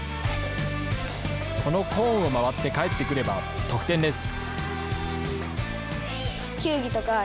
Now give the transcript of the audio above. このコーンを回って帰ってくれば得点です。